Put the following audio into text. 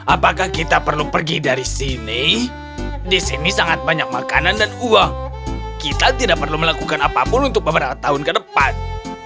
apakah kita perlu pergi dari sini di sini sangat banyak makanan dan uang kita tidak perlu melakukan apapun untuk beberapa tahun ke depan